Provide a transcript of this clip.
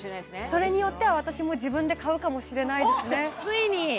それによっては私も自分で買うかもしれないですね